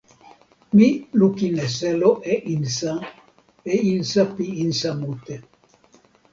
mi lukin e selo e insa, e insa pi insa mute.